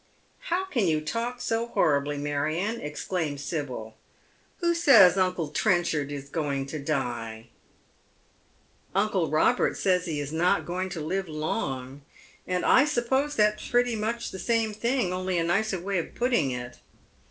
" How can you talk bo horribly, Marion ?" exclaims SibyL " Who says uncle Trenchard is going to die ?" "Uncle Robert says he is not going to live long, and I suppose that's pretty much the same thing, only a nicer way of putting it.